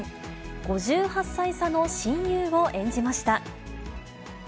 ５８歳差の親友を演じました。